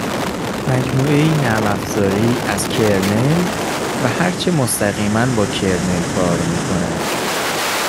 مجموعهای نرمافزاری از کرنل و هرچه مستقیما با کرنل کار میکند